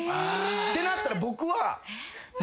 てなったら僕は。